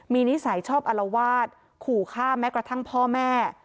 มีนิสัยชอบอลวาดขู่ฆ่าแม้กระทั่งพ่อแม่